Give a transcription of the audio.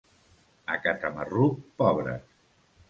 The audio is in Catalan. A Catamarruc, pobres.